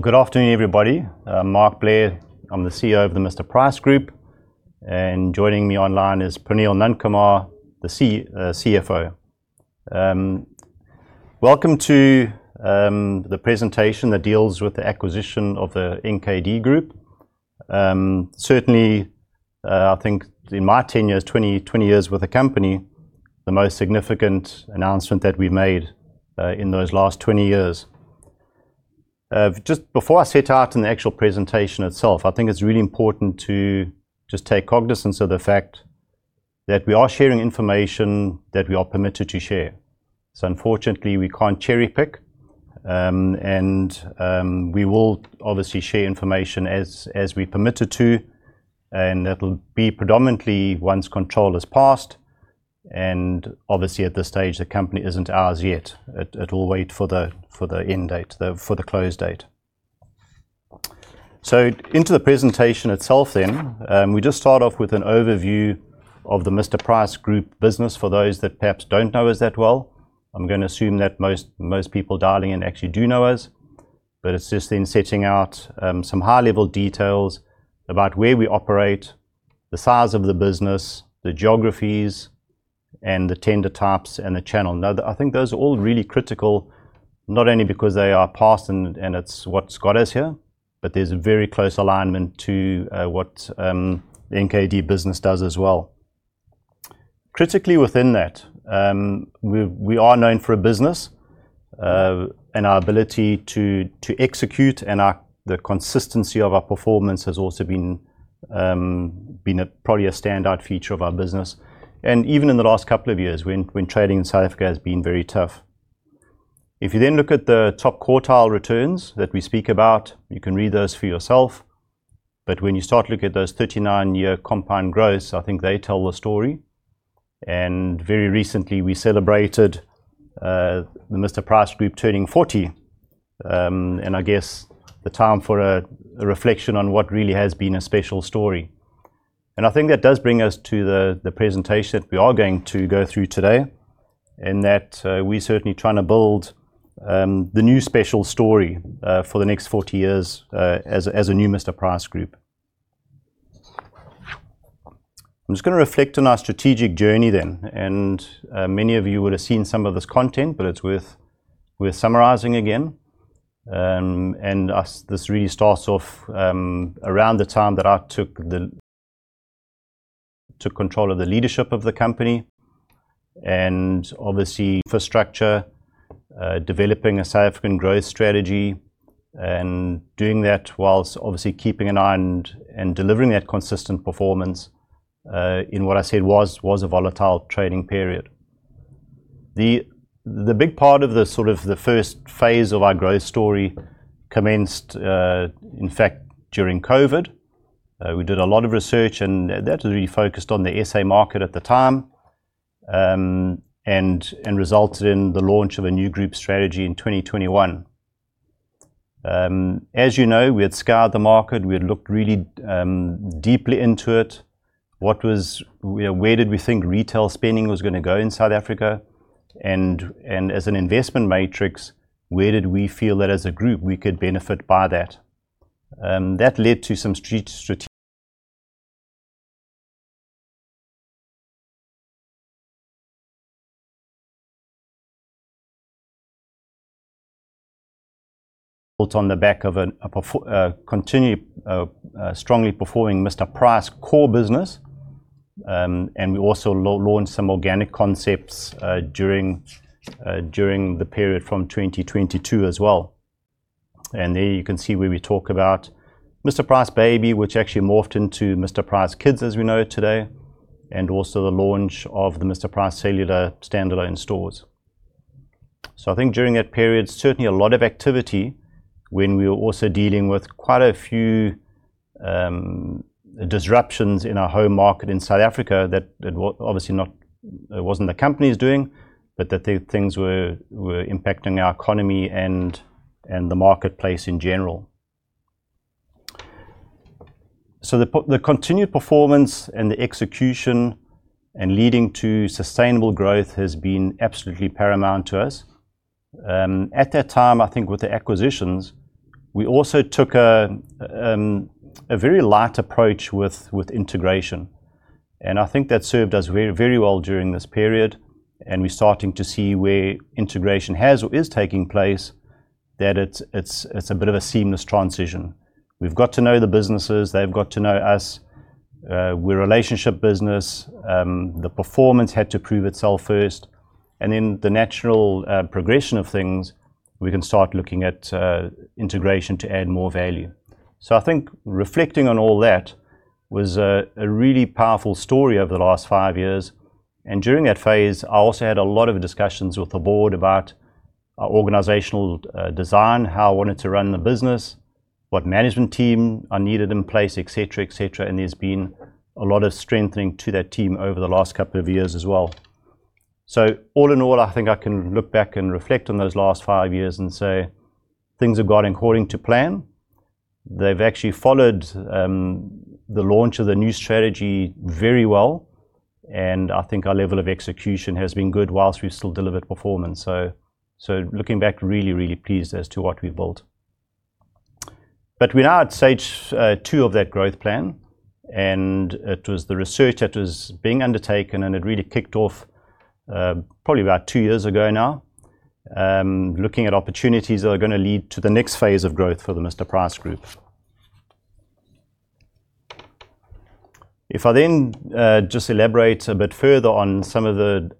Good afternoon, everybody. I'm Mark Blair. I'm the CEO of the Mr Price Group, and joining me online is Praneel Nandkumar, the CFO. Welcome to the presentation that deals with the acquisition of the NKD Group. Certainly, I think in my ten years, 20 years with the company, the most significant announcement that we've made in those last 20 years. Just before I set out in the actual presentation itself, I think it's really important to just take cognizance of the fact that we are sharing information that we are permitted to share, so unfortunately, we can't cherry-pick, and we will obviously share information as we're permitted to, and it'll be predominantly once control is passed, and obviously, at this stage, the company isn't ours yet. It'll wait for the end date, for the close date. Into the presentation itself then, we just start off with an overview of the Mr Price Group business. For those that perhaps don't know us that well, I'm going to assume that most people dialing in actually do know us, but it's just then setting out some high-level details about where we operate, the size of the business, the geographies, and the gender types and the channel. Now, I think those are all really critical, not only because they are past and it's what's got us here, but there's a very close alignment to what the NKD business does as well. Critically, within that, we are known for a business and our ability to execute, and the consistency of our performance has also been probably a standout feature of our business. Even in the last couple of years, when trading in South Africa has been very tough. If you then look at the top quartile returns that we speak about, you can read those for yourself, but when you start looking at those 39-year compound growths, I think they tell the story, and very recently, we celebrated the Mr Price Group turning 40, and I guess the time for a reflection on what really has been a special story, and I think that does bring us to the presentation that we are going to go through today in that we're certainly trying to build the new special story for the next 40 years as a new Mr Price Group. I'm just going to reflect on our strategic journey then, and many of you would have seen some of this content, but it's worth summarizing again. This really starts off around the time that I took control of the leadership of the company and obviously infrastructure, developing a South African growth strategy and doing that whilst obviously keeping an eye and delivering that consistent performance in what I said was a volatile trading period. The big part of the sort of the first phase of our growth story commenced, in fact, during COVID. We did a lot of research, and that was really focused on the S.A. market at the time and resulted in the launch of a new group strategy in 2021. As you know, we had scoured the market. We had looked really deeply into it. Where did we think retail spending was going to go in South Africa? And as an investment matrix, where did we feel that as a group we could benefit by that? That led to some strategic on the back of a continually strongly performing Mr Price core business, and we also launched some organic concepts during the period from 2022 as well, and there you can see where we talk about Mr Price Baby, which actually morphed into Mr Price Kids, as we know it today, and also the launch of the Mr Price Cellular standalone stores, so I think during that period, certainly a lot of activity when we were also dealing with quite a few disruptions in our home market in South Africa that obviously wasn't the company's doing, but that things were impacting our economy and the marketplace in general, so the continued performance and the execution and leading to sustainable growth has been absolutely paramount to us. At that time, I think with the acquisitions, we also took a very light approach with integration. I think that served us very well during this period. We're starting to see where integration has or is taking place that it's a bit of a seamless transition. We've got to know the businesses. They've got to know us. We're a relationship business. The performance had to prove itself first. Then the natural progression of things, we can start looking at integration to add more value. So I think reflecting on all that was a really powerful story over the last five years. During that phase, I also had a lot of discussions with the board about our organizational design, how I wanted to run the business, what management team I needed in place, etc. There's been a lot of strengthening to that team over the last couple of years as well. So all in all, I think I can look back and reflect on those last five years and say things have gone according to plan. They've actually followed the launch of the new strategy very well. I think our level of execution has been good whilst we've still delivered performance. So looking back, really, really pleased as to what we've built. We're now at stage two of that growth plan. It was the research that was being undertaken, and it really kicked off probably about two years ago now, looking at opportunities that are going to lead to the next phase of growth for the Mr Price Group. If I then just elaborate a bit further on some of the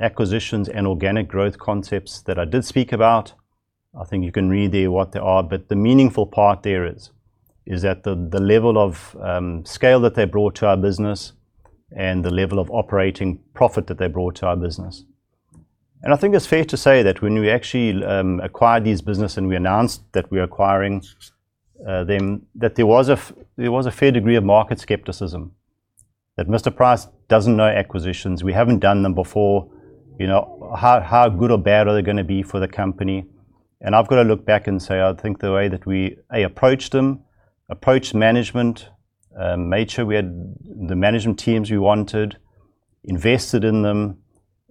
acquisitions and organic growth concepts that I did speak about, I think you can read there what they are. The meaningful part there is that the level of scale that they brought to our business and the level of operating profit that they brought to our business. I think it's fair to say that when we actually acquired these businesses and we announced that we're acquiring them, that there was a fair degree of market skepticism that Mr Price doesn't know acquisitions. We haven't done them before. How good or bad are they going to be for the company? I've got to look back and say I think the way that we approached them, approached management, made sure we had the management teams we wanted, invested in them.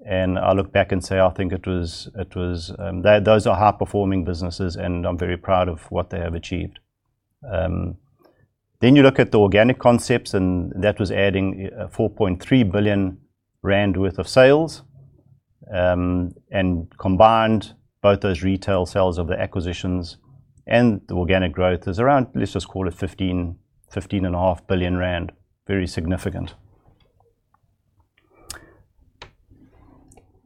I look back and say I think it was those are high-performing businesses, and I'm very proud of what they have achieved. Then you look at the organic concepts, and that was adding 4.3 billion rand worth of sales. Combined both those retail sales of the acquisitions and the organic growth is around, let's just call it 15.5 billion rand, very significant.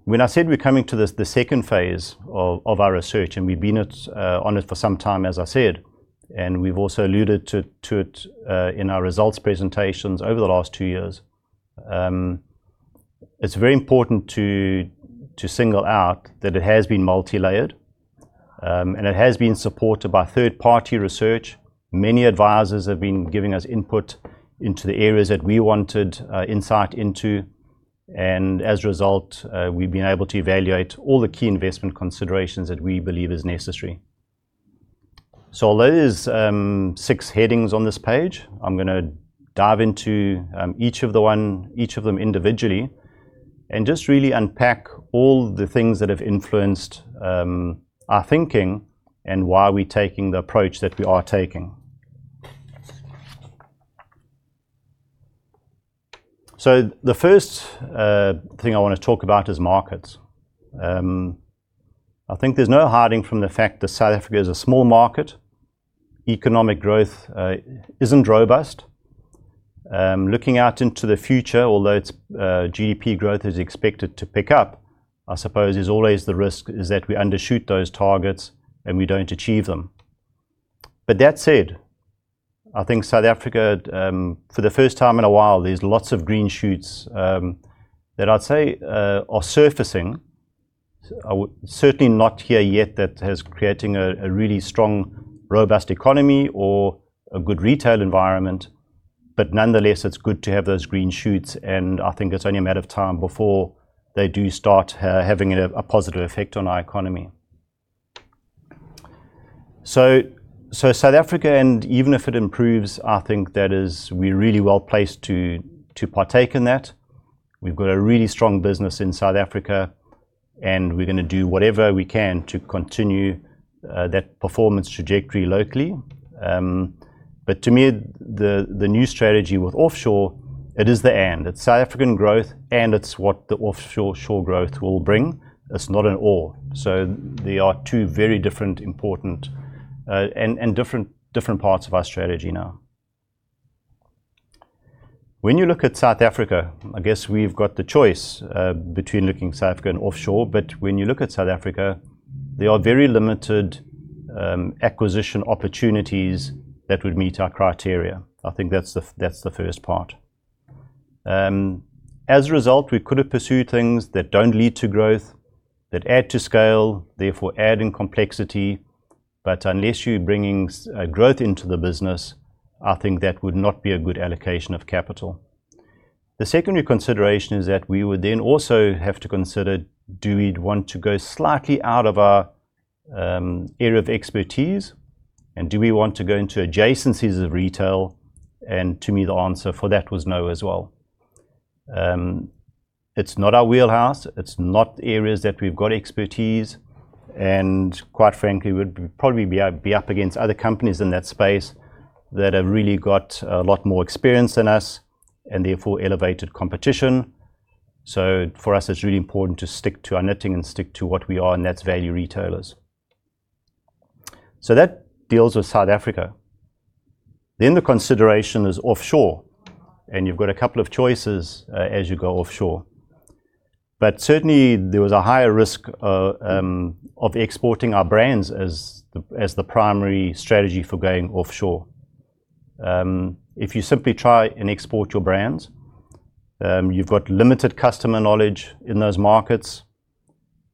When I said we're coming to the second phase of our research, and we've been on it for some time, as I said, and we've also alluded to it in our results presentations over the last two years, it's very important to single out that it has been multi-layered, and it has been supported by third-party research. Many advisors have been giving us input into the areas that we wanted insight into. As a result, we've been able to evaluate all the key investment considerations that we believe are necessary. So those six headings on this page, I'm going to dive into each of them individually and just really unpack all the things that have influenced our thinking and why we're taking the approach that we are taking. So the first thing I want to talk about is markets. I think there's no hiding from the fact that South Africa is a small market. Economic growth isn't robust. Looking out into the future, although GDP growth is expected to pick up, I suppose there's always the risk that we undershoot those targets and we don't achieve them. That said, I think South Africa, for the first time in a while, there's lots of green shoots that I'd say are surfacing. Certainly not here yet, that has created a really strong, robust economy or a good retail environment, but nonetheless, it's good to have those green shoots. I think it's only a matter of time before they do start having a positive effect on our economy. South Africa, and even if it improves, I think that we're really well placed to partake in that. We've got a really strong business in South Africa, and we're going to do whatever we can to continue that performance trajectory locally. To me, the new strategy with offshore, it is the end. It's South African growth, and it's what the offshore growth will bring. It's not an all. They are two very different important and different parts of our strategy now. When you look at South Africa, I guess we've got the choice between looking at South Africa and offshore, but when you look at South Africa, there are very limited acquisition opportunities that would meet our criteria. I think that's the first part. As a result, we could have pursued things that don't lead to growth, that add to scale, therefore adding complexity. Unless you're bringing growth into the business, I think that would not be a good allocation of capital. The secondary consideration is that we would then also have to consider do we want to go slightly out of our area of expertise, and do we want to go into adjacencies of retail? To me, the answer for that was no as well. It's not our wheelhouse. It's not areas that we've got expertise. Quite frankly, we'd probably be up against other companies in that space that have really got a lot more experience than us and therefore elevated competition. So for us, it's really important to stick to our knitting and stick to what we are, and that's value retailers. So that deals with South Africa. Then the consideration is offshore, and you've got a couple of choices as you go offshore. Certainly, there was a higher risk of exporting our brands as the primary strategy for going offshore. If you simply try and export your brands, you've got limited customer knowledge in those markets.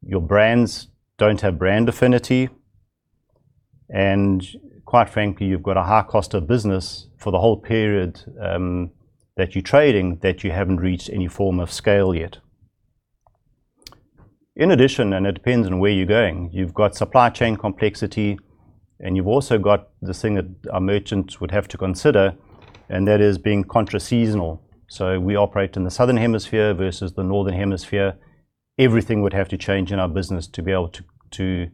Your brands don't have brand affinity. Quite frankly, you've got a high cost of business for the whole period that you're trading that you haven't reached any form of scale yet. In addition, and it depends on where you're going, you've got supply chain complexity, and you've also got the thing that a merchant would have to consider, and that is being contra-seasonal. So we operate in the southern hemisphere versus the northern hemisphere. Everything would have to change in our business to be able to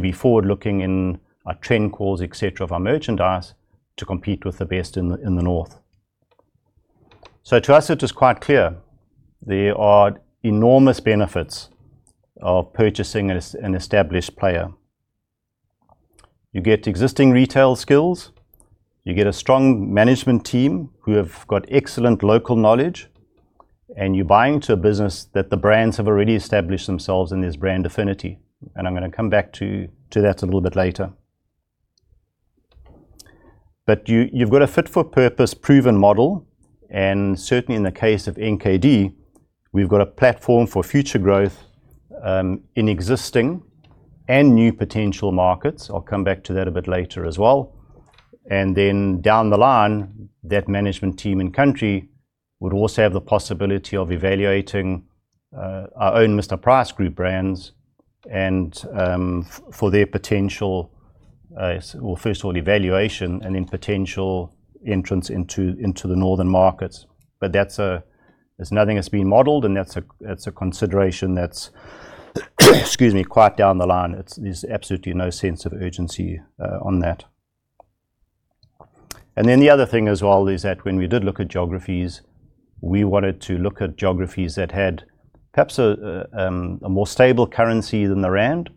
be forward-looking in our trend calls, etc., of our merchandise to compete with the best in the north, so to us, it is quite clear. There are enormous benefits of purchasing an established player. You get existing retail skills. You get a strong management team who have got excellent local knowledge, and you're buying to a business that the brands have already established themselves in this brand affinity, and I'm going to come back to that a little bit later, but you've got a fit-for-purpose proven model, and certainly, in the case of NKD, we've got a platform for future growth in existing and new potential markets. I'll come back to that a bit later as well, and then down the line, that management team in country would also have the possibility of evaluating our own Mr Price Group brands for their potential, well, first of all, valuation and then potential entrance into the northern markets, but there's nothing that's been modeled, and that's a consideration that's, excuse me, quite down the line. There's absolutely no sense of urgency on that, and then the other thing as well is that when we did look at geographies, we wanted to look at geographies that had perhaps a more stable currency than the rand,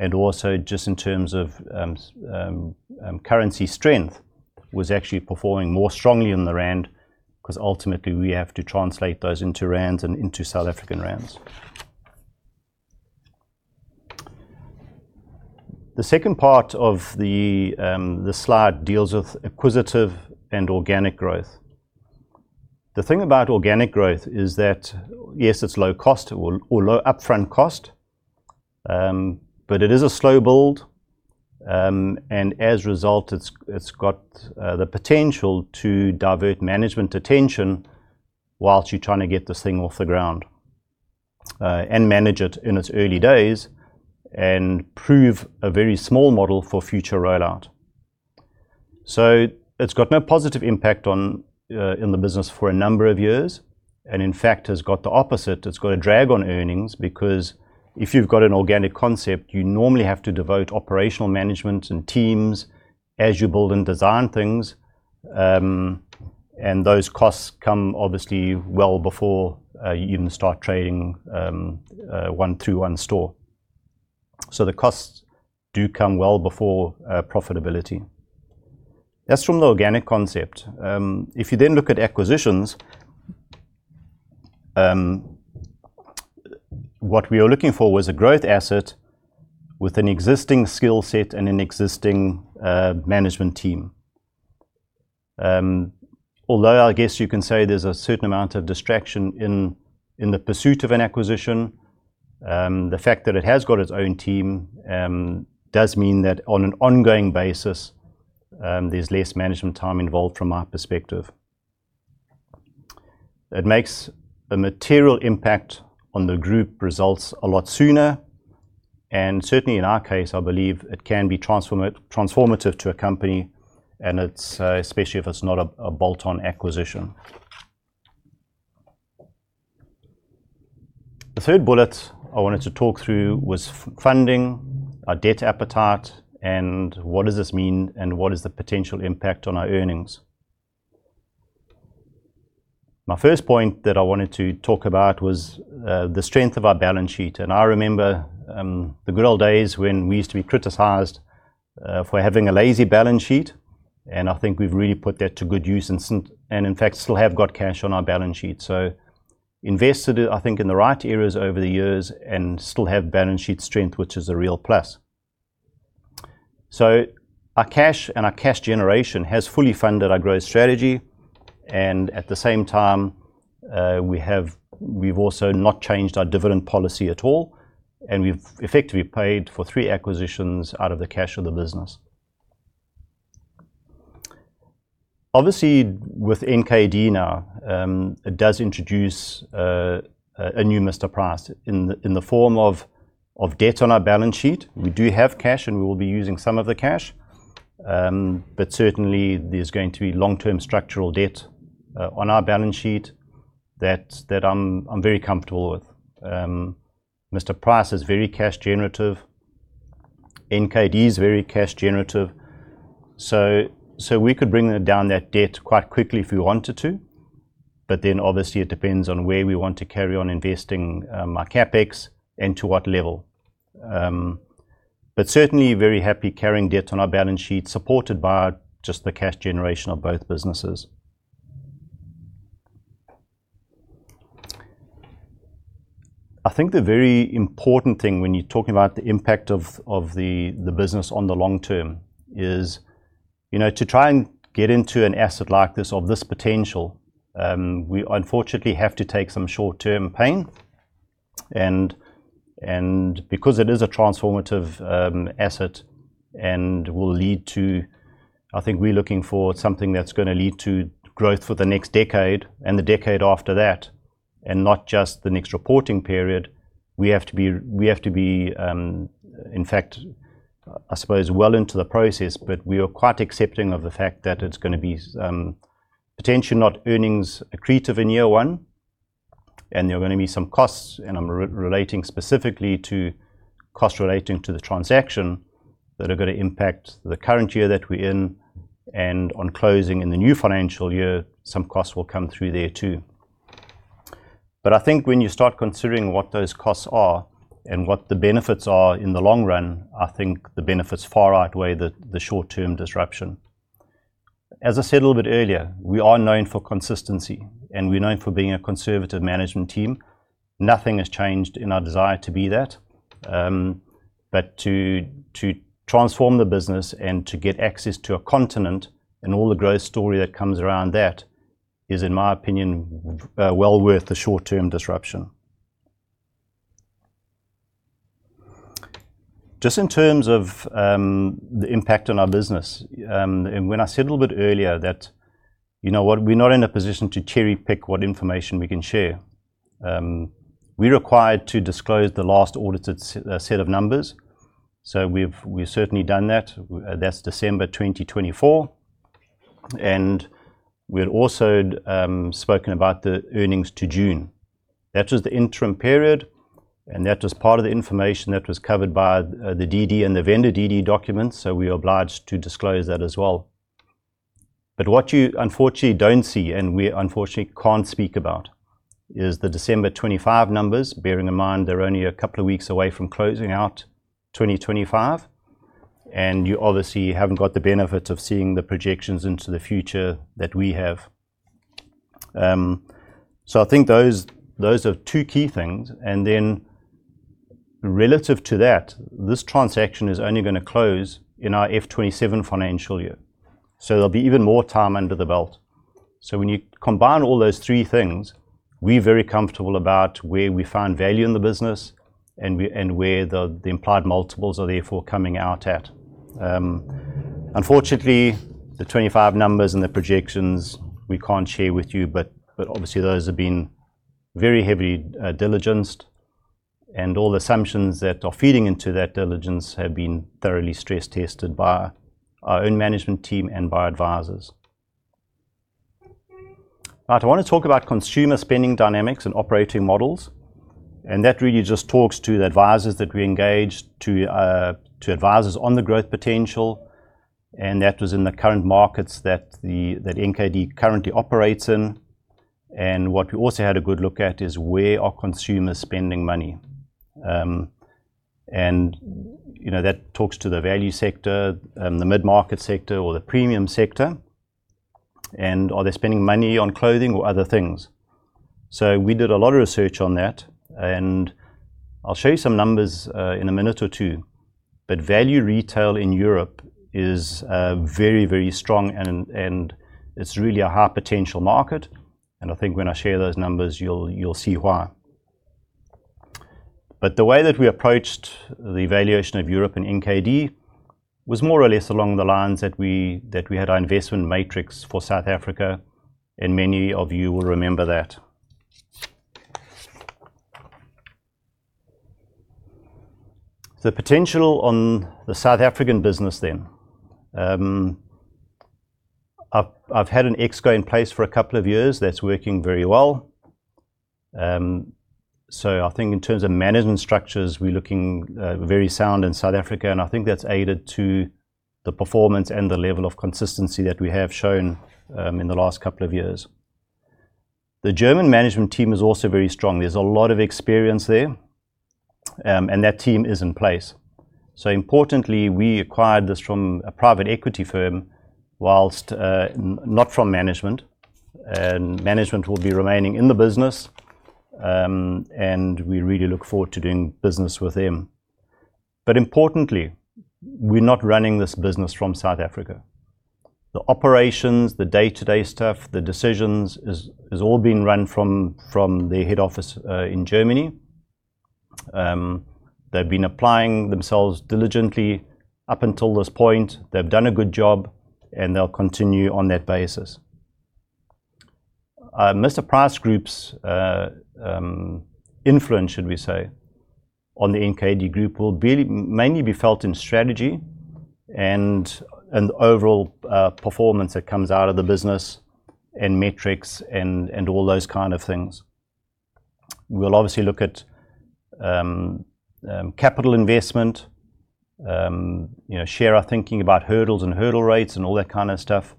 and also, just in terms of currency strength, was actually performing more strongly than the rand because ultimately, we have to translate those into rands and into South African rands. The second part of the slide deals with acquisitive and organic growth. The thing about organic growth is that, yes, it's low cost or low upfront cost, but it is a slow build. As a result, it's got the potential to divert management attention while you're trying to get this thing off the ground and manage it in its early days and prove a very small model for future rollout. So it's got no positive impact in the business for a number of years. In fact, it's got the opposite. It's got a drag on earnings because if you've got an organic concept, you normally have to devote operational management and teams as you build and design things. Those costs come obviously well before you even start trading one-through-one store. So the costs do come well before profitability. That's from the organic concept. If you then look at acquisitions, what we were looking for was a growth asset with an existing skill set and an existing management team. Although I guess you can say there's a certain amount of distraction in the pursuit of an acquisition, the fact that it has got its own team does mean that on an ongoing basis, there's less management time involved from our perspective. It makes a material impact on the group results a lot sooner, and certainly, in our case, I believe it can be transformative to a company, especially if it's not a bolt-on acquisition. The third bullet I wanted to talk through was funding, our debt appetite, and what does this mean, and what is the potential impact on our earnings? My first point that I wanted to talk about was the strength of our balance sheet, and I remember the good old days when we used to be criticized for having a lazy balance sheet. I think we've really put that to good use and, in fact, still have got cash on our balance sheet. So invested, I think, in the right areas over the years and still have balance sheet strength, which is a real plus. So our cash and our cash generation has fully funded our growth strategy. At the same time, we've also not changed our dividend policy at all. We've effectively paid for three acquisitions out of the cash of the business. Obviously, with NKD now, it does introduce a new Mr Price in the form of debt on our balance sheet. We do have cash, and we will be using some of the cash. Certainly, there's going to be long-term structural debt on our balance sheet that I'm very comfortable with. Mr Price is very cash generative. NKD is very cash generative. So we could bring down that debt quite quickly if we wanted to. Then, obviously, it depends on where we want to carry on investing our CapEx and to what level. Certainly, very happy carrying debt on our balance sheet supported by just the cash generation of both businesses. I think the very important thing when you're talking about the impact of the business on the long term is to try and get into an asset like this of this potential. We unfortunately have to take some short-term pain. Because it is a transformative asset and will lead to, I think we're looking for something that's going to lead to growth for the next decade and the decade after that and not just the next reporting period. We have to be, in fact, I suppose, well into the process, but we are quite accepting of the fact that it's going to be potentially not earnings accretive in year one. There are going to be some costs, and I'm relating specifically to costs relating to the transaction that are going to impact the current year that we're in. On closing in the new financial year, some costs will come through there too. I think when you start considering what those costs are and what the benefits are in the long run, I think the benefits far outweigh the short-term disruption. As I said a little bit earlier, we are known for consistency, and we're known for being a conservative management team. Nothing has changed in our desire to be that. To transform the business and to get access to a continent and all the growth story that comes around that is, in my opinion, well worth the short-term disruption. Just in terms of the impact on our business, when I said a little bit earlier that we're not in a position to cherry-pick what information we can share, we're required to disclose the last audited set of numbers, so we've certainly done that. That's December 2024, and we had also spoken about the earnings to June. That was the interim period, and that was part of the information that was covered by the DD and the vendor DD documents, so we are obliged to disclose that as well, but what you unfortunately don't see and we unfortunately can't speak about is the December 2025 numbers, bearing in mind they're only a couple of weeks away from closing out 2025. You obviously haven't got the benefit of seeing the projections into the future that we have. So I think those are two key things. Then relative to that, this transaction is only going to close in our F27 financial year. So there'll be even more time under the belt. So when you combine all those three things, we're very comfortable about where we found value in the business and where the implied multiples are therefore coming out at. Unfortunately, the 25 numbers and the projections we can't share with you, but obviously, those have been very heavily diligenced. All the assumptions that are feeding into that diligence have been thoroughly stress-tested by our own management team and by advisors. I want to talk about consumer spending dynamics and operating models. That really just talks to the advisors that we engaged, to advisors on the growth potential. That was in the current markets that NKD currently operates in, and what we also had a good look at is where are consumers spending money, and that talks to the value sector, the mid-market sector, or the premium sector, and are they spending money on clothing or other things, so we did a lot of research on that, and I'll show you some numbers in a minute or two. Value retail in Europe is very, very strong, and it's really a high potential market, and I think when I share those numbers, you'll see why, but the way that we approached the valuation of Europe and NKD was more or less along the lines that we had our investment matrix for South Africa, and many of you will remember that. The potential on the South African business, then. I've had an exco in place for a couple of years that's working very well, so I think in terms of management structures, we're looking very sound in South Africa, and I think that's aided to the performance and the level of consistency that we have shown in the last couple of years. The German management team is also very strong. There's a lot of experience there, and that team is in place, so importantly, we acquired this from a private equity firm whilst not from management, and management will be remaining in the business, and we really look forward to doing business with them, but importantly, we're not running this business from South Africa. The operations, the day-to-day stuff, the decisions is all being run from the head office in Germany. They've been applying themselves diligently up until this point. They've done a good job, and they'll continue on that basis. Mr Price Group's influence, should we say, on the NKD Group will mainly be felt in strategy and the overall performance that comes out of the business and metrics and all those kind of things. We'll obviously look at capital investment, share our thinking about hurdles and hurdle rates and all that kind of stuff,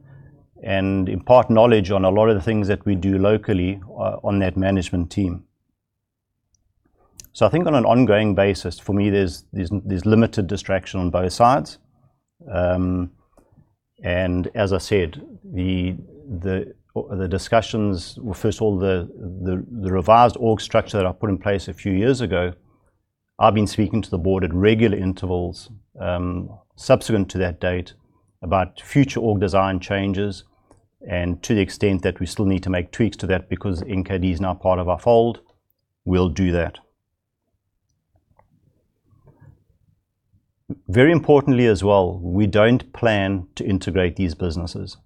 and impart knowledge on a lot of the things that we do locally on that management team, so I think on an ongoing basis, for me, there's limited distraction on both sides, and as I said, the discussions were first of all the revised org structure that I put in place a few years ago. I've been speaking to the board at regular intervals subsequent to that date about future org design changes. To the extent that we still need to make tweaks to that because NKD is now part of our fold, we'll do that. Very importantly as well, we don't plan to integrate these businesses.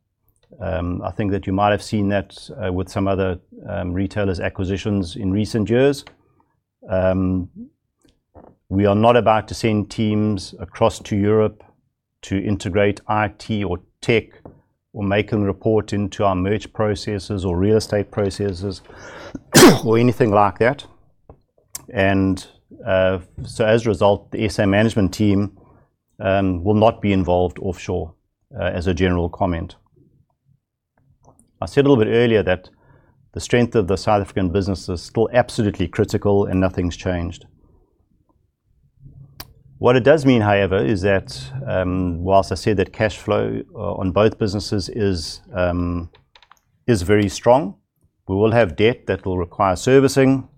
I think that you might have seen that with some other retailers' acquisitions in recent years. We are not about to send teams across to Europe to integrate IT or tech or make them report into our merge processes or real estate processes or anything like that. As a result, the SM management team will not be involved offshore as a general comment. I said a little bit earlier that the strength of the South African business is still absolutely critical, and nothing's changed. What it does mean, however, is that while I said that cash flow on both businesses is very strong, we will have debt that will require servicing.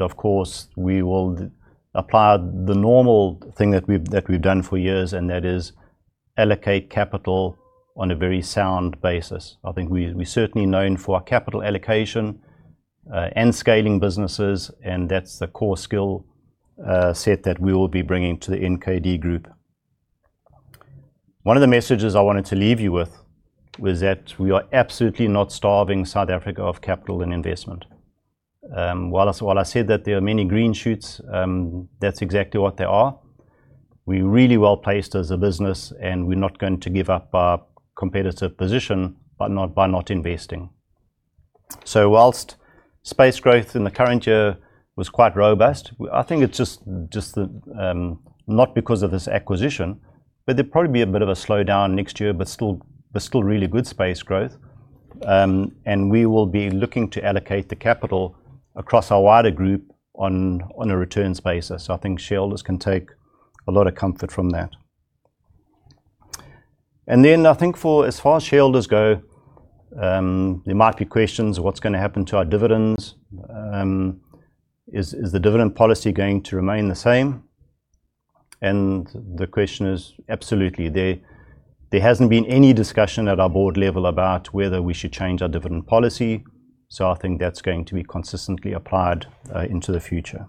Of course, we will apply the normal thing that we've done for years, and that is allocate capital on a very sound basis. I think we're certainly known for capital allocation and scaling businesses, and that's the core skill set that we will be bringing to the NKD Group. One of the messages I wanted to leave you with was that we are absolutely not starving South Africa of capital and investment. While I said that there are many green shoots, that's exactly what they are. We're really well placed as a business, and we're not going to give up our competitive position by not investing. So whilst space growth in the current year was quite robust, I think it's just not because of this acquisition, but there'll probably be a bit of a slowdown next year, but still really good space growth. We will be looking to allocate the capital across our wider group on a returns basis. So I think shareholders can take a lot of comfort from that. Then I think as far as shareholders go, there might be questions of what's going to happen to our dividends. Is the dividend policy going to remain the same? The answer is absolutely. There hasn't been any discussion at our board level about whether we should change our dividend policy. So I think that's going to be consistently applied into the future.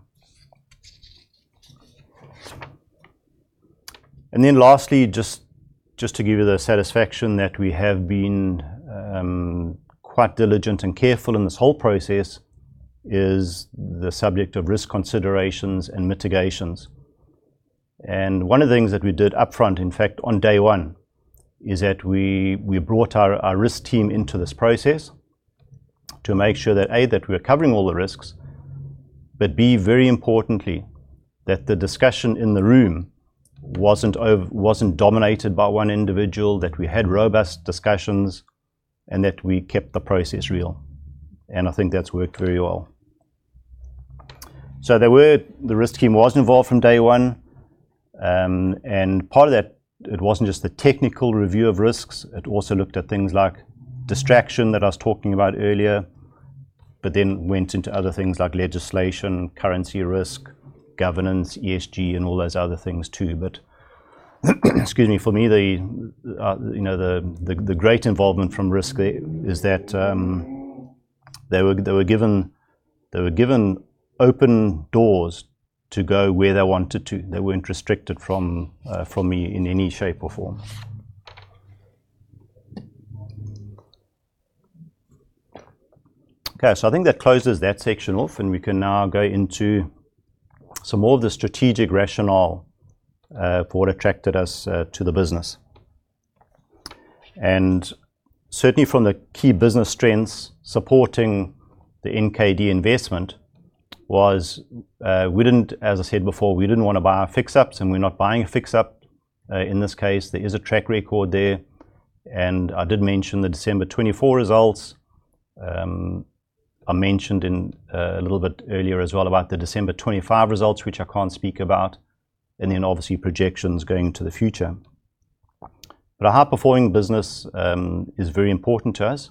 Then lastly, just to give you the satisfaction that we have been quite diligent and careful in this whole process is the subject of risk considerations and mitigations. One of the things that we did upfront, in fact, on day one, is that we brought our risk team into this process to make sure that, A: that we're covering all the risks, but B: very importantly, that the discussion in the room wasn't dominated by one individual, that we had robust discussions, and that we kept the process real. I think that's worked very well. So the risk team was involved from day one. Part of that, it wasn't just the technical review of risks. It also looked at things like distraction that I was talking about earlier, but then went into other things like legislation, currency risk, governance, ESG, and all those other things too. Excuse me, for me, the great involvement from risk is that they were given open doors to go where they wanted to. They weren't restricted from me in any shape or form. Okay, so I think that closes that section off, and we can now go into some more of the strategic rationale for what attracted us to the business, and certainly from the key business strengths, supporting the NKD investment was, as I said before, we didn't want to buy our fix-ups, and we're not buying a fix-up. In this case, there is a track record there, and I did mention the December 2024 results. I mentioned a little bit earlier as well about the December 2025 results, which I can't speak about, and then obviously, projections going into the future, but a high-performing business is very important to us.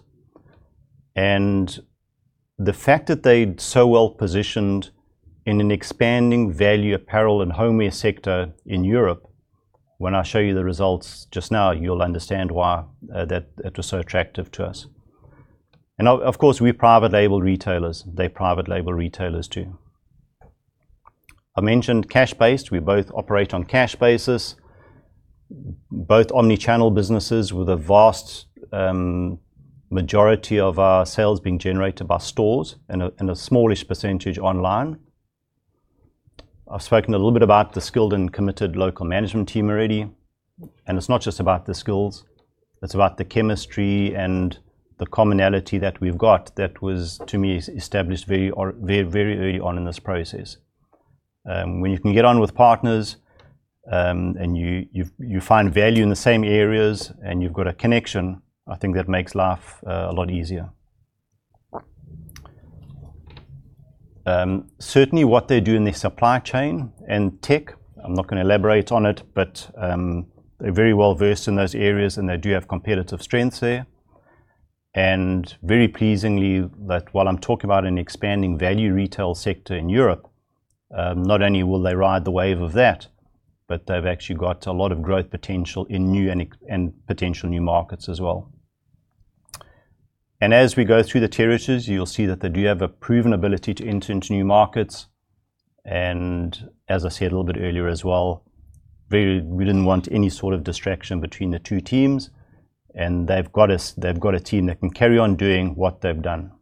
The fact that they're so well positioned in an expanding value apparel and homeware sector in Europe, when I show you the results just now, you'll understand why that was so attractive to us. Of course, we're private label retailers. They're private label retailers too. I mentioned cash-based. We both operate on cash basis. Both omnichannel businesses with a vast majority of our sales being generated by stores and a smallish percentage online. I've spoken a little bit about the skilled and committed local management team already. It's not just about the skills. It's about the chemistry and the commonality that we've got that was, to me, established very early on in this process. When you can get on with partners and you find value in the same areas and you've got a connection, I think that makes life a lot easier. Certainly, what they do in the supply chain and tech, I'm not going to elaborate on it, but they're very well versed in those areas, and they do have competitive strengths there. Very pleasingly, while I'm talking about an expanding value retail sector in Europe, not only will they ride the wave of that, but they've actually got a lot of growth potential in new and potential new markets as well. As we go through the territories, you'll see that they do have a proven ability to enter into new markets. As I said a little bit earlier as well, we didn't want any sort of distraction between the two teams. They've got a team that can carry on doing what they've done.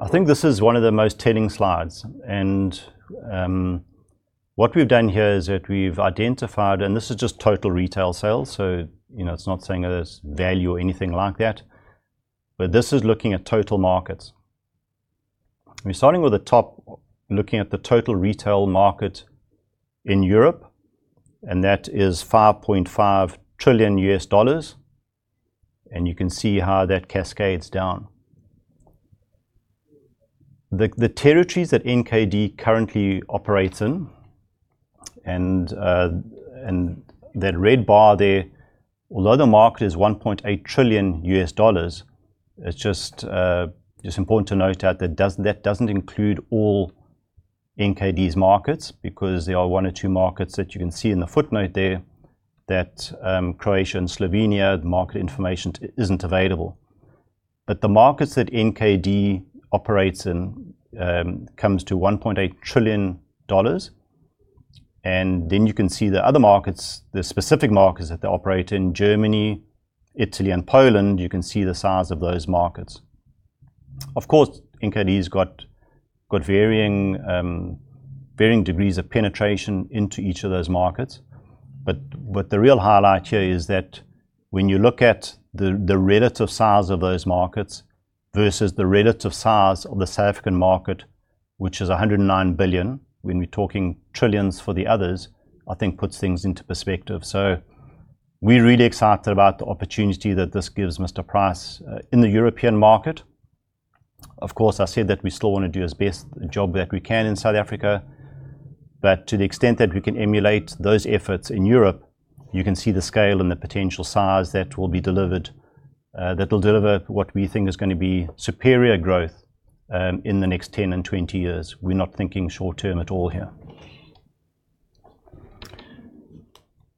I think this is one of the most telling slides. What we've done here is that we've identified, and this is just total retail sales. So it's not saying there's value or anything like that. This is looking at total markets. We're starting with the top, looking at the total retail market in Europe, and that is $5.5 trillion. You can see how that cascades down. The territories that NKD currently operates in, and that red bar there, although the market is $1.8 trillion, it's just important to note that that doesn't include all NKD's markets because there are one or two markets that you can see in the footnote there that Croatia and Slovenia, the market information isn't available. The markets that NKD operates in comes to $1.8 trillion. Then you can see the other markets, the specific markets that they operate in, Germany, Italy, and Poland. You can see the size of those markets. Of course, NKD's got varying degrees of penetration into each of those markets. The real highlight here is that when you look at the relative size of those markets versus the relative size of the South African market, which is 109 billion, when we're talking trillions for the others, I think puts things into perspective. So we're really excited about the opportunity that this gives Mr Price in the European market. Of course, I said that we still want to do as best a job that we can in South Africa. To the extent that we can emulate those efforts in Europe, you can see the scale and the potential size that will be delivered that will deliver what we think is going to be superior growth in the next 10 and 20 years. We're not thinking short-term at all here.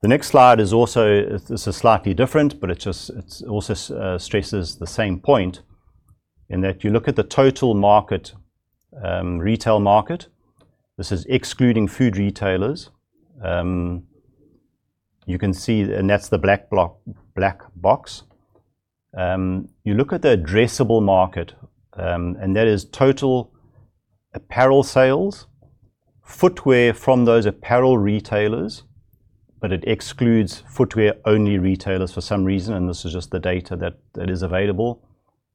The next slide is also slightly different, but it also stresses the same point in that you look at the total market, retail market, this is excluding food retailers. You can see, and that's the black box. You look at the addressable market, and that is total apparel sales, footwear from those apparel retailers, but it excludes footwear-only retailers for some reason. This is just the data that is available.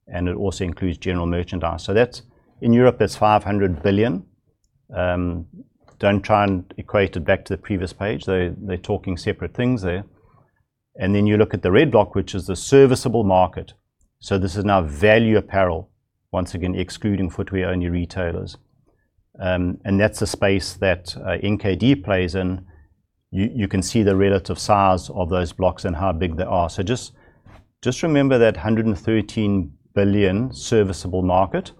It also includes general merchandise. So in Europe, that's 500 billion. Don't try and equate it back to the previous page. They're talking separate things there. And then you look at the red block, which is the serviceable market. So this is now value apparel, once again, excluding footwear-only retailers. That's the space that NKD plays in. You can see the relative size of those blocks and how big they are. So just remember that 113 billion serviceable market.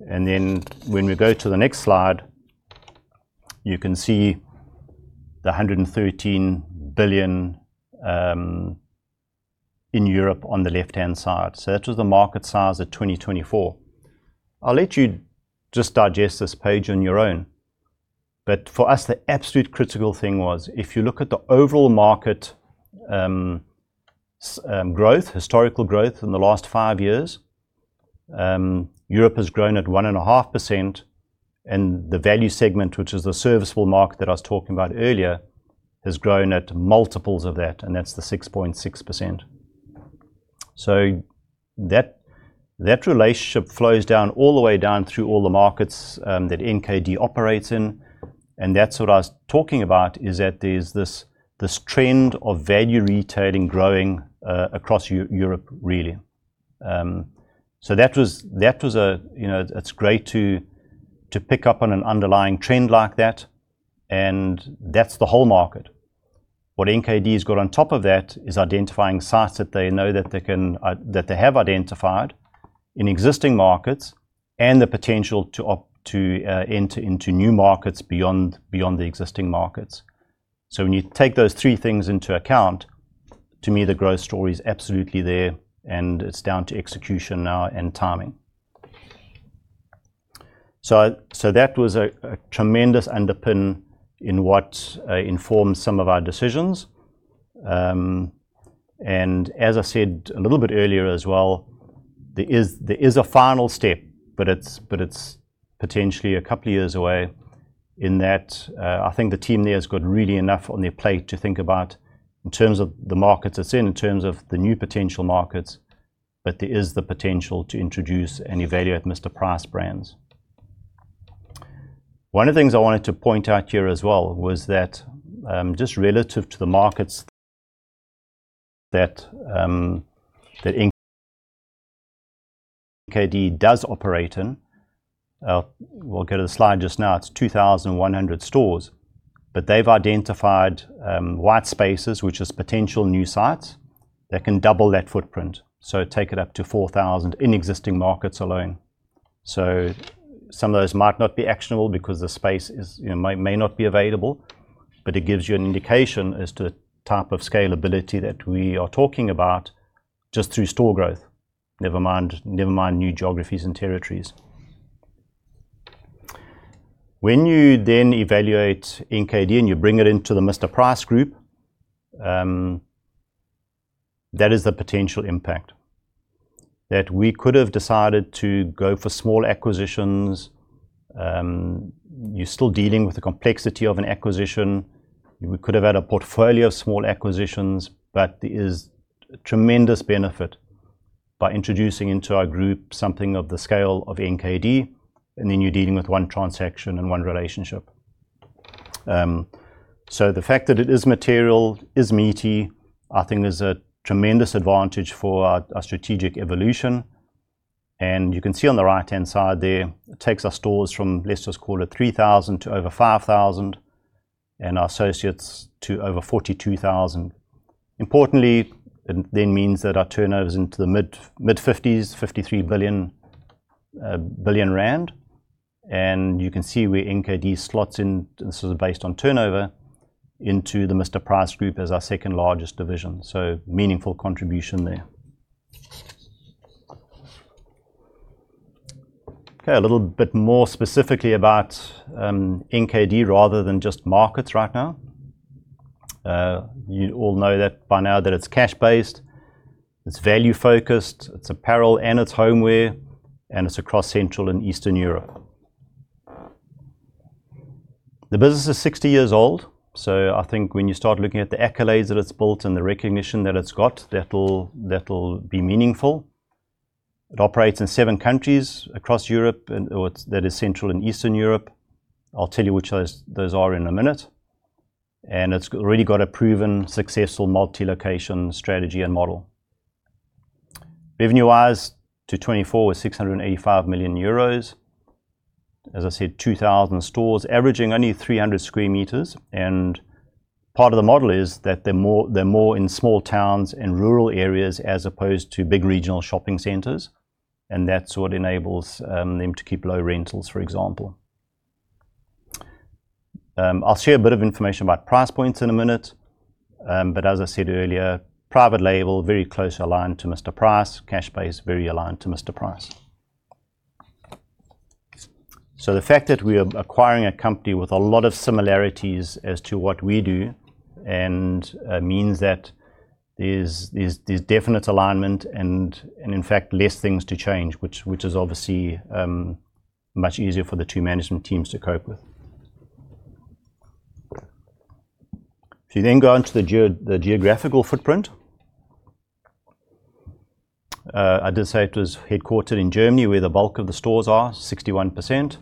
Then when we go to the next slide, you can see the 113 billion in Europe on the left-hand side. So that was the market size of 2024. I'll let you just digest this page on your own. For us, the absolute critical thing was if you look at the overall market growth, historical growth in the last five years, Europe has grown at 1.5%. The value segment, which is the serviceable market that I was talking about earlier, has grown at multiples of that, and that's the 6.6%. So that relationship flows down all the way down through all the markets that NKD operates in. That's what I was talking about, is that there's this trend of value retailing growing across Europe, really. So that was, it's great to pick up on an underlying trend like that. That's the whole market. What NKD's got on top of that is identifying sites that they know that they have identified in existing markets and the potential to enter into new markets beyond the existing markets. So when you take those three things into account, to me, the growth story is absolutely there, and it's down to execution now and timing. So that was a tremendous underpin in what informed some of our decisions. As I said a little bit earlier as well, there is a final step, but it's potentially a couple of years away in that I think the team there has got really enough on their plate to think about in terms of the markets it's in, in terms of the new potential markets, but there is the potential to introduce and evaluate Mr Price brands. One of the things I wanted to point out here as well was that just relative to the markets that NKD does operate in. We'll go to the slide just now. It's 2,100 stores, but they've identified white spaces, which is potential new sites that can double that footprint. So take it up to 4,000 in existing markets alone. So some of those might not be actionable because the space may not be available, but it gives you an indication as to the type of scalability that we are talking about just through store growth, never mind new geographies and territories. When you then evaluate NKD and you bring it into the Mr Price Group, that is the potential impact that we could have decided to go for small acquisitions. You're still dealing with the complexity of an acquisition. We could have had a portfolio of small acquisitions, but there is tremendous benefit by introducing into our group something of the scale of NKD, and then you're dealing with one transaction and one relationship. So the fact that it is material, is meaty, I think is a tremendous advantage for our strategic evolution. You can see on the right-hand side there. It takes our stores from, let's just call it 3,000 to over 5,000, and our associates to over 42,000. Importantly, it then means that our turnover's into the mid-50s, 53 billion rand. You can see where NKD slots in. This is based on turnover into the Mr Price Group as our second largest division. So meaningful contribution there. Okay, a little bit more specifically about NKD rather than just markets right now. You all know that by now that it's cash-based, it's value-focused, it's apparel, and it's homeware, and it's across Central and Eastern Europe. The business is 60 years old. So I think when you start looking at the accolades that it's built and the recognition that it's got, that'll be meaningful. It operates in seven countries across Europe, that is Central and Eastern Europe. I'll tell you which those are in a minute. It's really got a proven, successful multi-location strategy and model. Revenue-wise, 2024 was 685 million euros. As I said, 2,000 stores, averaging only 300 sq m. Part of the model is that they're more in small towns and rural areas as opposed to big regional shopping centers. That's what enables them to keep low rentals, for example. I'll share a bit of information about price points in a minute. As I said earlier, private label, very closely aligned to Mr Price, cash-based, very aligned to Mr Price. So the fact that we are acquiring a company with a lot of similarities as to what we do means that there's definite alignment and, in fact, less things to change, which is obviously much easier for the two management teams to cope with. If you then go into the geographical footprint, I did say it was headquartered in Germany where the bulk of the stores are, 61%,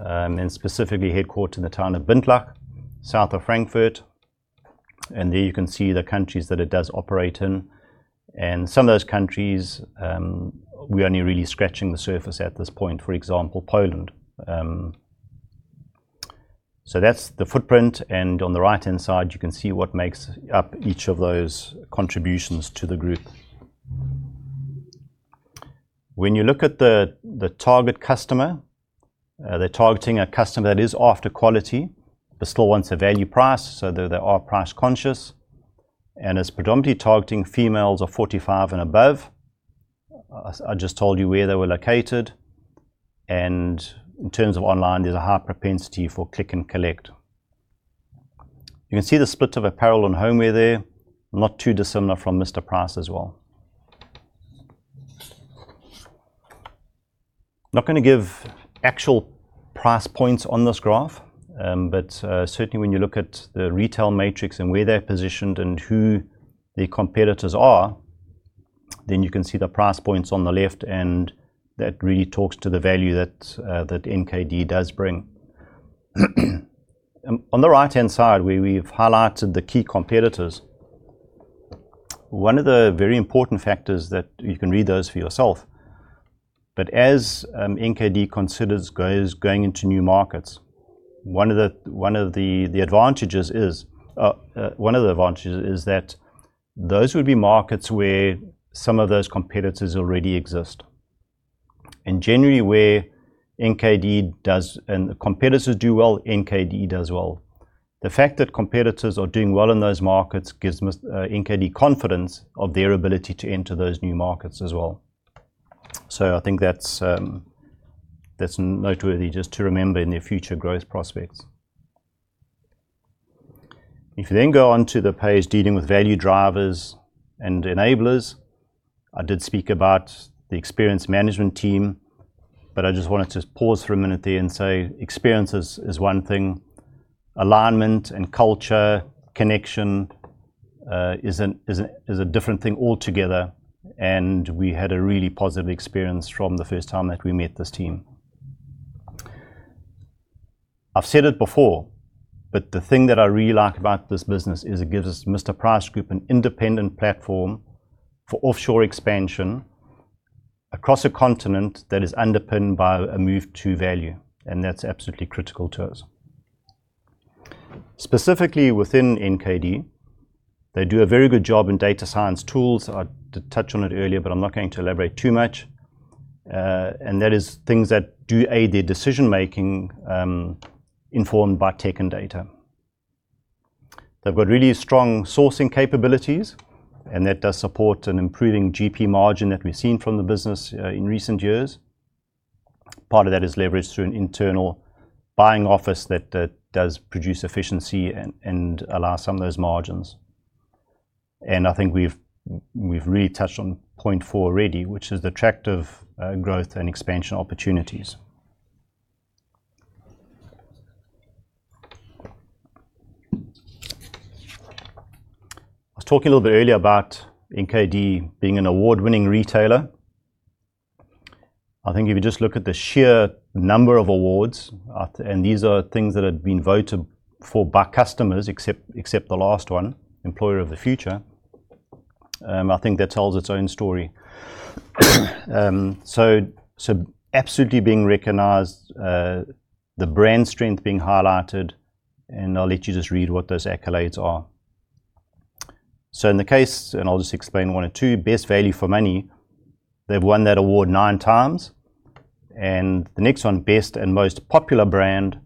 and specifically headquartered in the town of Bindlach, South of Frankfurt, and there you can see the countries that it does operate in, and some of those countries, we're only really scratching the surface at this point, for example, Poland, so that's the footprint, and on the right-hand side, you can see what makes up each of those contributions to the group. When you look at the target customer, they're targeting a customer that is after quality. The store wants a value price, so they are price conscious, and it's predominantly targeting females of 45 and above. I just told you where they were located, and in terms of online, there's a high propensity for click and collect. You can see the split of apparel and homeware there, not too dissimilar from Mr Price as well. I'm not going to give actual price points on this graph, but certainly when you look at the retail matrix and where they're positioned and who the competitors are, then you can see the price points on the left, and that really talks to the value that NKD does bring. On the right-hand side, where we've highlighted the key competitors, one of the very important factors that you can read those for yourself, but as NKD considers going into new markets, one of the advantages is that those would be markets where some of those competitors already exist. In general, where NKD does and competitors do well, NKD does well. The fact that competitors are doing well in those markets gives NKD confidence of their ability to enter those new markets as well, so I think that's noteworthy just to remember in their future growth prospects. If you then go on to the page dealing with value drivers and enablers, I did speak about the experienced management team, but I just wanted to pause for a minute there and say experience is one thing. Alignment and culture connection is a different thing altogether, and we had a really positive experience from the first time that we met this team. I've said it before, but the thing that I really like about this business is it gives Mr Price Group an independent platform for offshore expansion across a continent that is underpinned by a move to value, and that's absolutely critical to us. Specifically within NKD, they do a very good job in data science tools. I did touch on it earlier, but I'm not going to elaborate too much, and that is things that do aid their decision-making informed by tech and data. They've got really strong sourcing capabilities, and that does support an improving GP margin that we've seen from the business in recent years. Part of that is leveraged through an internal buying office that does produce efficiency and allows some of those margins, and I think we've really touched on point four already, which is the track of growth and expansion opportunities. I was talking a little bit earlier about NKD being an award-winning retailer. I think if you just look at the sheer number of awards, and these are things that have been voted for by customers, except the last one, Employer of the Future. I think that tells its own story. So, absolutely being recognized, the brand strength being highlighted, and I'll let you just read what those accolades are. So in the case, and I'll just explain one or two, Best Value for Money, they've won that award nine times. The next one, Best and Most Popular Brand,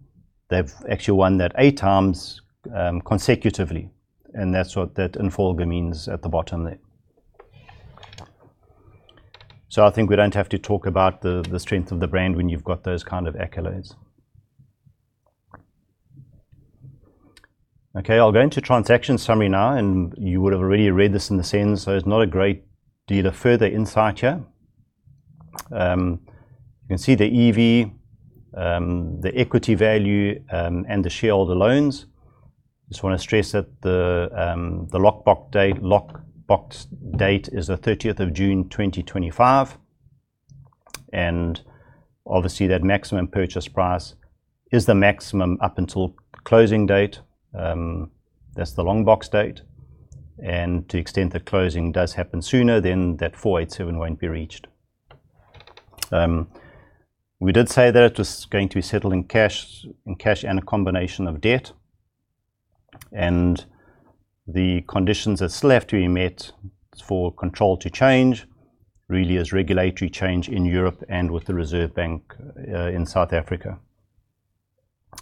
they've actually won that eight times consecutively. That's what that infographic means at the bottom there. So I think we don't have to talk about the strength of the brand when you've got those kind of accolades. Okay, I'll go into transaction summary now, and you would have already read this in the sense, so it's not a great deal of further insight here. You can see the EV, the equity value, and the shareholder loans. Just want to stress that the lockbox date is the 30th of June 2025. And obviously, that maximum purchase price is the maximum up until closing date. That's the lockbox date. To the extent that closing does happen sooner, then that 487 won't be reached. We did say that it was going to be settled in cash and a combination of debt. The conditions that still have to be met for control to change really is regulatory change in Europe and with the Reserve Bank in South Africa.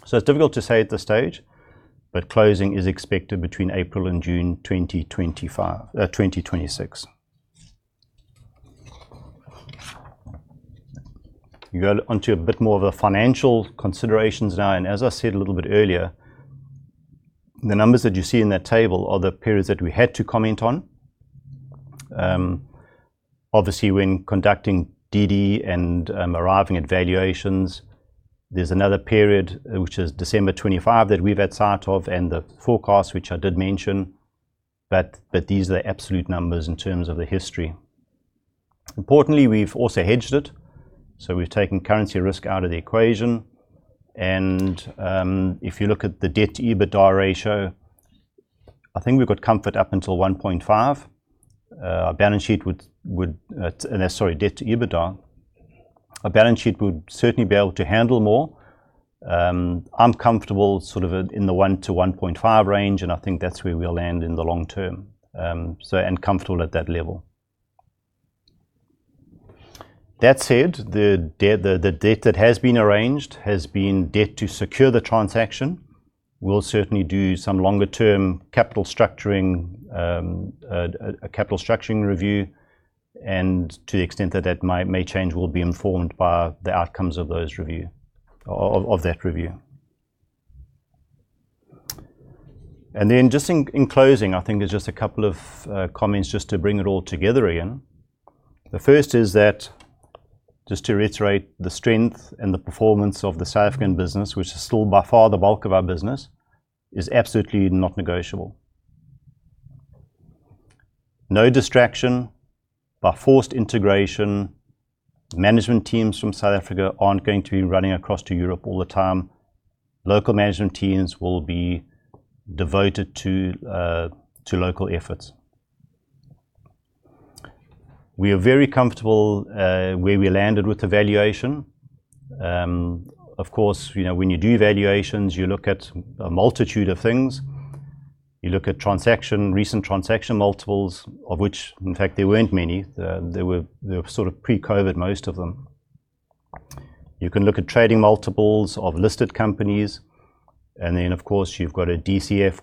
So it's difficult to say at this stage, but closing is expected between April and June 2026. You go on to a bit more of the financial considerations now. As I said a little bit earlier, the numbers that you see in that table are the periods that we had to comment on. Obviously, when conducting DD and arriving at valuations, there's another period, which is December 2025 that we've had sight of and the forecast, which I did mention, but these are the absolute numbers in terms of the history. Importantly, we've also hedged it, so we've taken currency risk out of the equation and if you look at the debt to EBITDA ratio, I think we've got comfort up until 1.5. Our balance sheet would, sorry, debt to EBITDA, our balance sheet would certainly be able to handle more. I'm comfortable sort of in the 1-1.5 range, and I think that's where we'll land in the long term, so I'm comfortable at that level. That said, the debt that has been arranged has been debt to secure the transaction. We'll certainly do some longer-term capital structuring review. And to the extent that that may change, we'll be informed by the outcomes of that review. Then just in closing, I think there's just a couple of comments just to bring it all together again. The first is that, just to reiterate, the strength and the performance of the South African business, which is still by far the bulk of our business, is absolutely not negotiable. No distraction by forced integration. Management teams from South Africa aren't going to be running across to Europe all the time. Local management teams will be devoted to local efforts. We are very comfortable where we landed with the valuation. Of course, when you do valuations, you look at a multitude of things. You look at recent transaction multiples, of which, in fact, there weren't many. They were sort of pre-COVID, most of them. You can look at trading multiples of listed companies. Then, of course, you've got a DCF,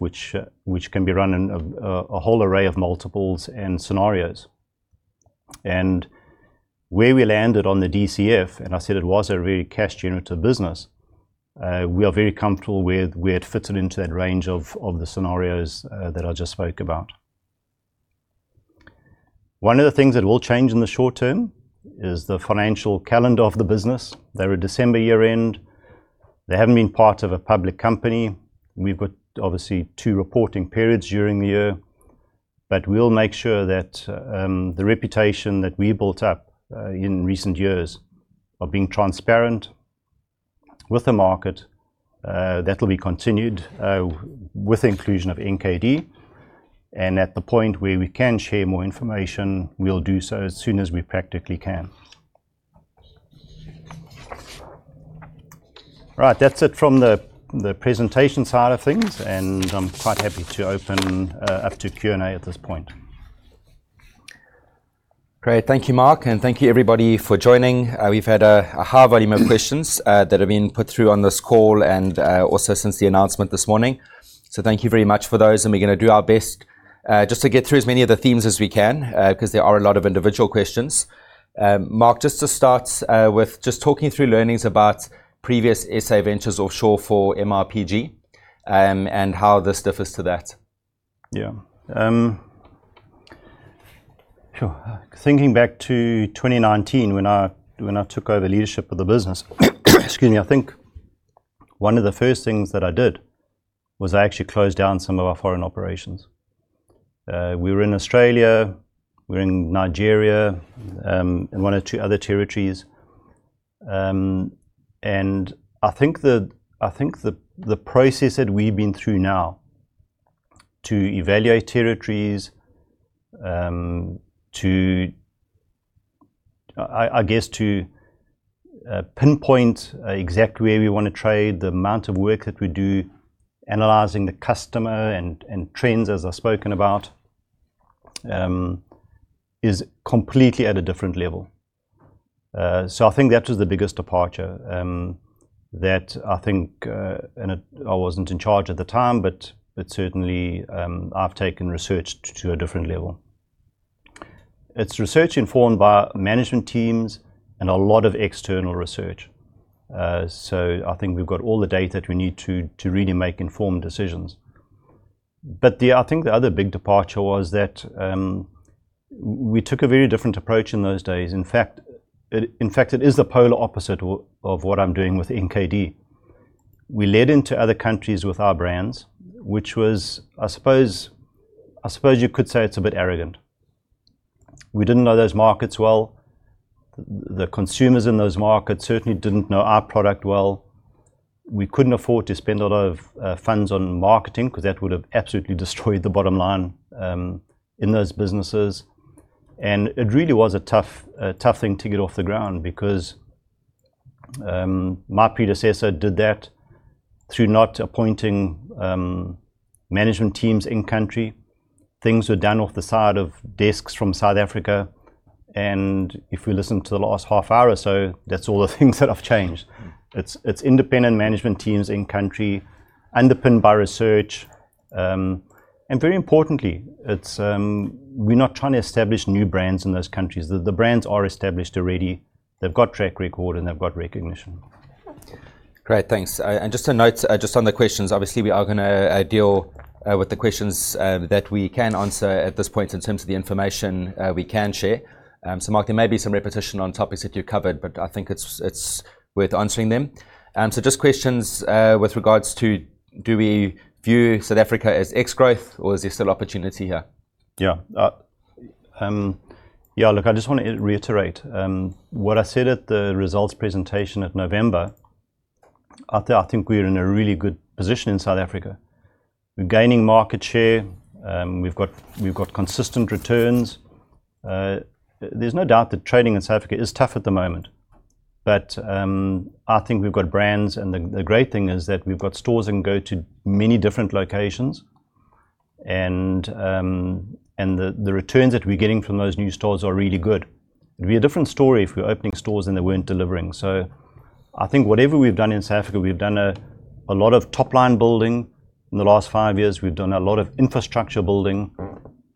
which can be run in a whole array of multiples and scenarios. Where we landed on the DCF, and I said it was a really cash-generative business, we are very comfortable where it fits into that range of the scenarios that I just spoke about. One of the things that will change in the short term is the financial calendar of the business. They're a December year-end. They haven't been part of a public company. We've got, obviously, two reporting periods during the year. We'll make sure that the reputation that we built up in recent years of being transparent with the market, that will be continued with the inclusion of NKD. At the point where we can share more information, we'll do so as soon as we practically can. All right, that's it from the presentation side of things, and I'm quite happy to open up to Q&A at this point. Great. Thank you, Mark, and thank you, everybody, for joining. We've had a high volume of questions that have been put through on this call and also since the announcement this morning. So thank you very much for those, and we're going to do our best just to get through as many of the themes as we can because there are a lot of individual questions. Mark, just to start with, just talking through learnings about previous SA Ventures Offshore for MRPG and how this differs to that. Yeah. Sure. Thinking back to 2019, when I took over leadership of the business, excuse me, I think one of the first things that I did was I actually closed down some of our foreign operations. We were in Australia. We were in Nigeria and one or two other territories. I think the process that we've been through now to evaluate territories, I guess, to pinpoint exactly where we want to trade, the amount of work that we do, analyzing the customer and trends, as I've spoken about, is completely at a different level. So I think that was the biggest departure that I think I wasn't in charge at the time, but certainly, I've taken research to a different level. It's research informed by management teams and a lot of external research. So I think we've got all the data we need to really make informed decisions. I think the other big departure was that we took a very different approach in those days. In fact, it is the polar opposite of what I'm doing with NKD. We led into other countries with our brands, which was, I suppose, I suppose you could say it's a bit arrogant. We didn't know those markets well. The consumers in those markets certainly didn't know our product well. We couldn't afford to spend a lot of funds on marketing because that would have absolutely destroyed the bottom line in those businesses. It really was a tough thing to get off the ground because my predecessor did that through not appointing management teams in-country. Things were done off the side of desks from South Africa. If we listen to the last half hour or so, that's all the things that have changed. It's independent management teams in-country, underpinned by research. Very importantly, we're not trying to establish new brands in those countries. The brands are established already. They've got track record, and they've got recognition. Great. Thanks. Just to note, just on the questions, obviously, we are going to deal with the questions that we can answer at this point in terms of the information we can share. Mark, there may be some repetition on topics that you've covered, but I think it's worth answering them. Just questions with regards to, do we view South Africa as ex-growth, or is there still opportunity here? Yeah. Yeah, look, I just want to reiterate what I said at the results presentation at November. I think we're in a really good position in South Africa. We're gaining market share. We've got consistent returns. There's no doubt that trading in South Africa is tough at the moment, but I think we've got brands, and the great thing is that we've got stores that can go to many different locations. The returns that we're getting from those new stores are really good. It'd be a different story if we were opening stores and they weren't delivering. So I think whatever we've done in South Africa, we've done a lot of top-line building. In the last five years, we've done a lot of infrastructure building.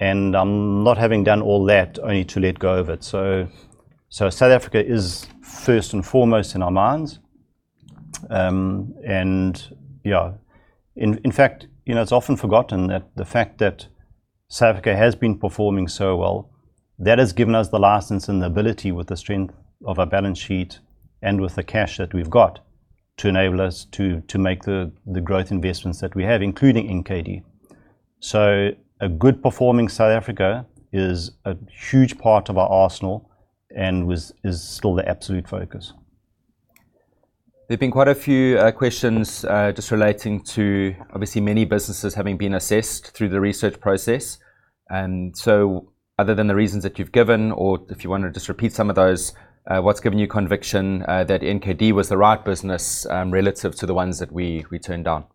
I'm not having done all that only to let go of it. So South Africa is first and foremost in our minds. Yeah, in fact, it's often forgotten that the fact that South Africa has been performing so well, that has given us the license and the ability with the strength of our balance sheet and with the cash that we've got to enable us to make the growth investments that we have, including NKD. So a good-performing South Africa is a huge part of our arsenal and is still the absolute focus. There've been quite a few questions just relating to, obviously, many businesses having been assessed through the research process, and so other than the reasons that you've given, or if you want to just repeat some of those, what's given you conviction that NKD was the right business relative to the ones that we turned down?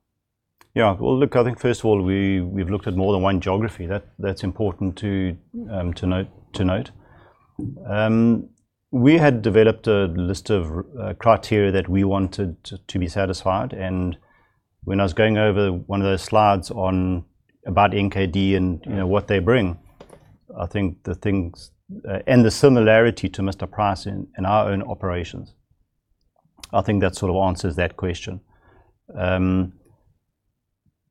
Yeah, well, look, I think, first of all, we've looked at more than one geography. That's important to note. We had developed a list of criteria that we wanted to be satisfied, and when I was going over one of those slides about NKD and what they bring, I think the things and the similarity to Mr Price in our own operations, I think that sort of answers that question. A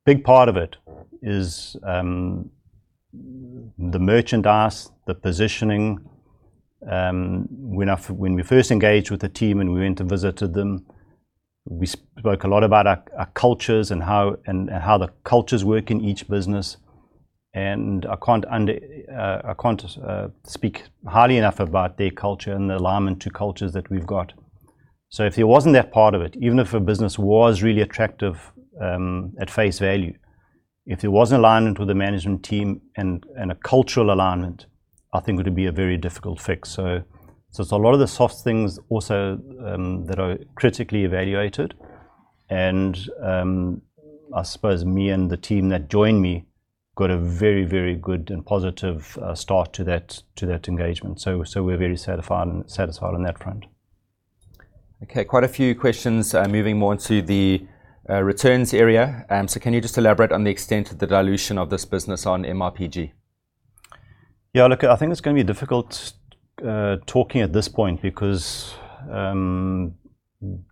big part of it is the merchandise, the positioning. When we first engaged with the team and we went to visit them, we spoke a lot about our cultures and how the cultures work in each business, and I can't speak highly enough about their culture and the alignment to cultures that we've got, so if there wasn't that part of it, even if a business was really attractive at face value, if there wasn't alignment with the management team and a cultural alignment, I think it would be a very difficult fix, so it's a lot of the soft things also that are critically evaluated, and I suppose me and the team that joined me got a very, very good and positive start to that engagement, so we're very satisfied on that front. Okay. Quite a few questions moving more into the returns area. So can you just elaborate on the extent of the dilution of this business on MRPG? Yeah. Look, I think it's going to be difficult talking at this point because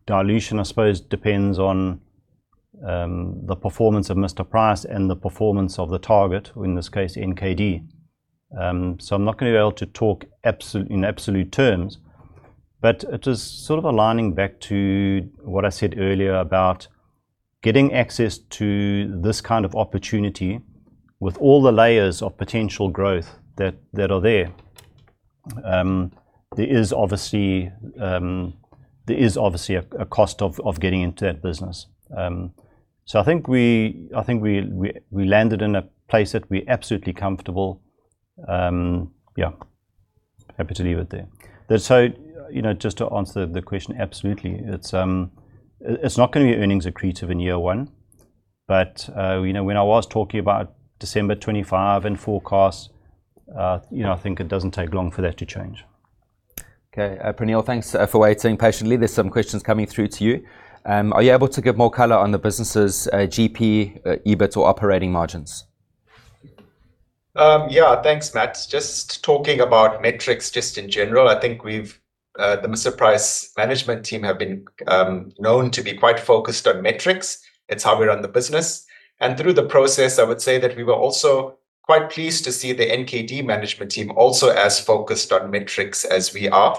dilution, I suppose, depends on the performance of Mr Price and the performance of the target, in this case, NKD. So I'm not going to be able to talk in absolute terms. It is sort of aligning back to what I said earlier about getting access to this kind of opportunity with all the layers of potential growth that are there. There is obviously a cost of getting into that business. So I think we landed in a place that we're absolutely comfortable. Yeah. Happy to leave it there. So just to answer the question, absolutely. It's not going to be earnings accretive in year one. When I was talking about December 25 and forecasts, I think it doesn't take long for that to change. Okay. Praneel, thanks for waiting patiently. There's some questions coming through to you. Are you able to give more color on the business's GP, EBIT, or Operating Margins? Yeah. Thanks, [Matt]. Just talking about metrics just in general, I think the Mr Price management team have been known to be quite focused on metrics. It's how we run the business. Through the process, I would say that we were also quite pleased to see the NKD management team also as focused on metrics as we are.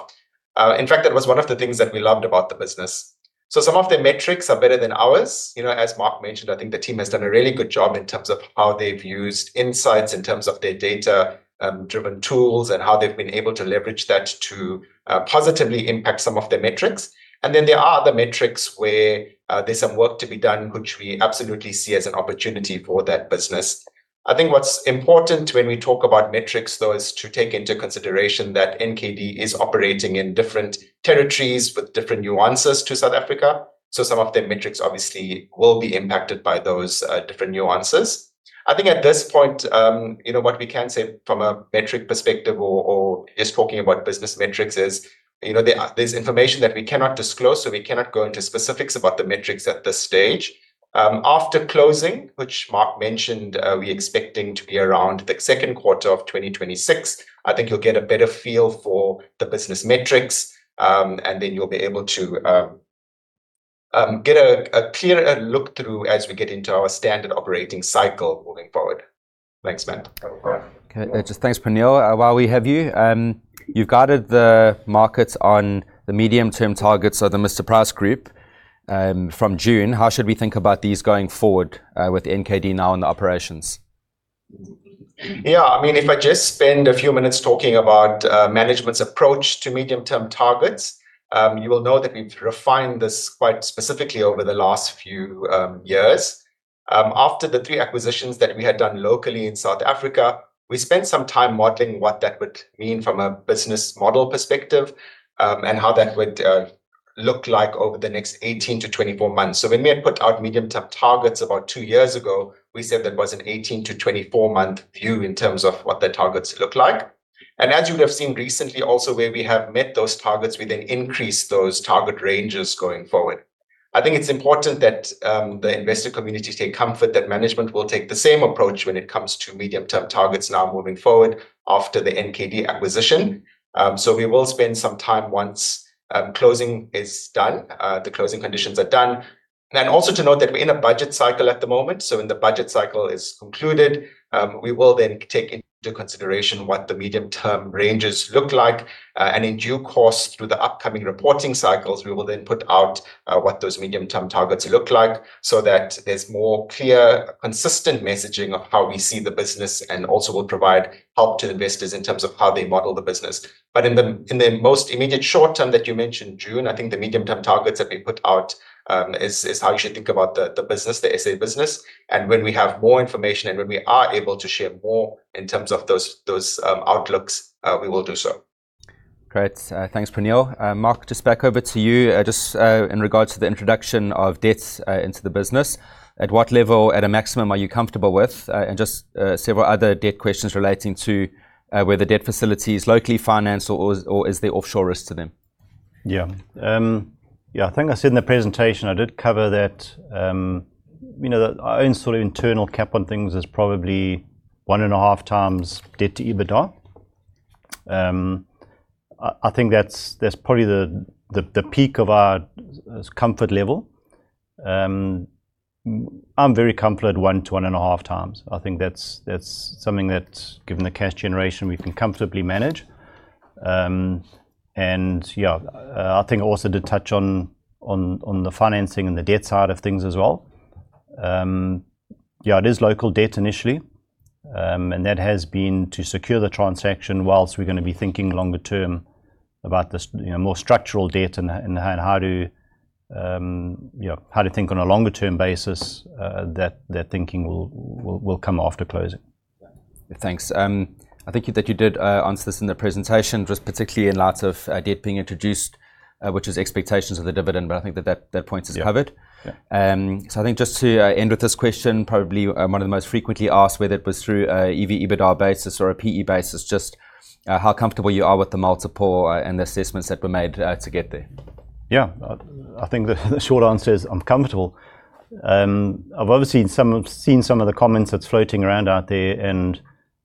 In fact, that was one of the things that we loved about the business. So some of their metrics are better than ours. As Mark mentioned, I think the team has done a really good job in terms of how they've used insights in terms of their data-driven tools and how they've been able to leverage that to positively impact some of their metrics, and then there are other metrics where there's some work to be done, which we absolutely see as an opportunity for that business. I think what's important when we talk about metrics, though, is to take into consideration that NKD is operating in different territories with different nuances to South Africa, so some of their metrics, obviously, will be impacted by those different nuances. I think at this point, what we can say from a metric perspective or just talking about business metrics is there's information that we cannot disclose, so we cannot go into specifics about the metrics at this stage. After closing, which Mark mentioned, we're expecting to be around the second quarter of 2026. I think you'll get a better feel for the business metrics, and then you'll be able to get a clearer look through as we get into our standard operating cycle moving forward. Thanks [Matt]. Okay. Just thanks, Praneel. While we have you, you've guided the markets on the medium-term targets of the Mr Price Group from June. How should we think about these going forward with NKD now in the operations? Yeah. I mean, if I just spend a few minutes talking about management's approach to medium-term targets, you will know that we've refined this quite specifically over the last few years. After the three acquisitions that we had done locally in South Africa, we spent some time modeling what that would mean from a business model perspective and how that would look like over the next 18-24 months. So when we had put out medium-term targets about two years ago, we said that was an 18-24-month view in terms of what the targets look like. As you would have seen recently also where we have met those targets, we then increase those target ranges going forward. I think it's important that the investor community take comfort that management will take the same approach when it comes to medium-term targets now moving forward after the NKD acquisition. So we will spend some time once closing is done, the closing conditions are done. To note that we're in a budget cycle at the moment. So when the budget cycle is concluded, we will then take into consideration what the medium-term ranges look like. In due course through the upcoming reporting cycles, we will then put out what those medium-term targets look like so that there's more clear, consistent messaging of how we see the business and also will provide help to investors in terms of how they model the business. In the most immediate short term that you mentioned, June, I think the medium-term targets that we put out is how you should think about the business, the SA business. When we have more information and when we are able to share more in terms of those outlooks, we will do so. Great. Thanks, Praneel. Mark, just back over to you. Just in regards to the introduction of debts into the business, at what level at a maximum are you comfortable with? Just several other debt questions relating to whether debt facilities locally finance or is there offshore risk to them? Yeah. Yeah. I think I said in the presentation, I did cover that our own sort of internal cap on things is probably one and a half times debt to EBITDA. I think that's probably the peak of our comfort level. I'm very comfortable at one to one and a half times. I think that's something that, given the cash generation, we can comfortably manage. Yeah, I think I also did touch on the financing and the debt side of things as well. Yeah, it is local debt initially. That has been to secure the transaction whilst we're going to be thinking longer term about this more structural debt and how to think on a longer term basis. That thinking will come after closing. Thanks. I think that you did answer this in the presentation, just particularly in light of debt being introduced, which is expectations of the dividend. I think that that point is covered. So I think just to end with this question, probably one of the most frequently asked, whether it was through an EV-EBITDA basis or a PE basis, just how comfortable you are with the multiple and the assessments that were made to get there. Yeah. I think the short answer is I'm comfortable. I've obviously seen some of the comments that's floating around out there.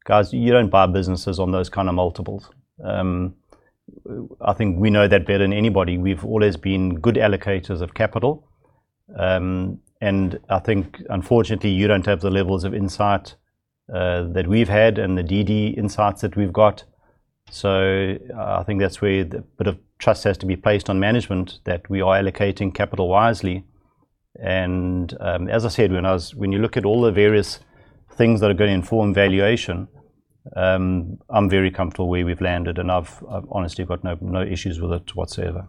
Guys, you don't buy businesses on those kind of multiples. I think we know that better than anybody. We've always been good allocators of capital. I think, unfortunately, you don't have the levels of insight that we've had and the DD insights that we've got. So I think that's where a bit of trust has to be placed on management that we are allocating capital wisely. As I said, when you look at all the various things that are going to inform valuation, I'm very comfortable where we've landed. I've honestly got no issues with it whatsoever.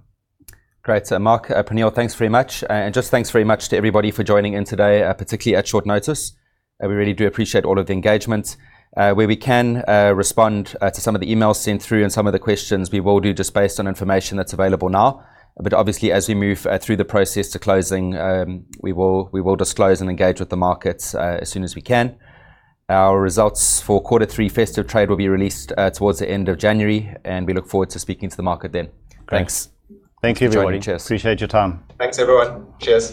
Great. So Mark, Praneel, thanks very much. Just thanks very much to everybody for joining in today, particularly at short notice. We really do appreciate all of the engagement. Where we can respond to some of the emails sent through and some of the questions, we will do just based on information that's available now. Obviously, as we move through the process to closing, we will disclose and engage with the markets as soon as we can. Our results for quarter three festive trade will be released towards the end of January. We look forward to speaking to the market then. Thanks. Thank you, everyone. Appreciate your time. Thanks, everyone. Cheers.